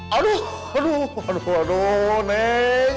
aduh aduh aduh aduh